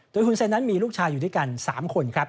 โดยหุ่นเซ่นนั้นมีลูกชายอยู่ด้วยกัน๓คน